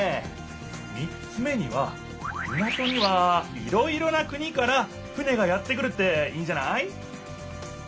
３つ目には港にはいろいろな国から船がやって来るっていいんじゃない？